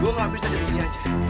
gue gak bisa jadi ini aja